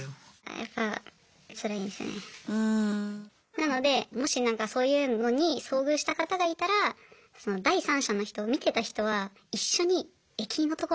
なのでもしなんかそういうのに遭遇した方がいたらその第三者の人見てた人は一緒に駅員のところまで来てほしい。